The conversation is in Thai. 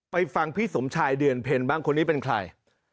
ฟังพี่สมชายเดือนเพ็ญบ้างคนนี้เป็นใคร